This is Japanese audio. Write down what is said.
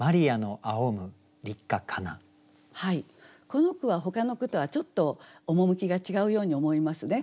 この句はほかの句とはちょっと趣が違うように思いますね。